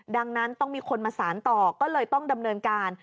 ดังนั้นต้องมีคนมาสารต่อก็เลยต้องดำเนินการ